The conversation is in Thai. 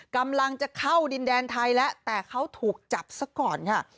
กำลังจะเข้าดินแดนไทยแล้วแต่เขาถูกจับซะก่อนค่ะ